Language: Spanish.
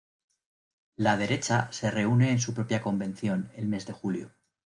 La derecha se reúne en su propia convención el mes de julio.